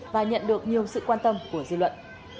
và nhận được nhiều sự quan tâm của dư luận